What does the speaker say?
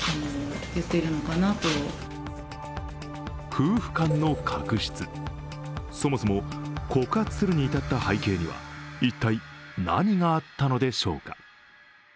夫婦間の確執、そもそも告発するに至った背景には一体何があったのでしょうか。